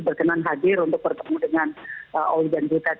berkenan hadir untuk bertemu dengan oli dan butet